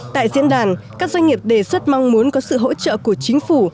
tại diễn đàn các doanh nghiệp đề xuất mong muốn có sự hỗ trợ của chính phủ